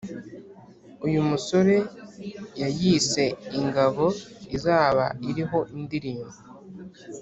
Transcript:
. uyu musore yayise Ingabo izaba iriho indirimbo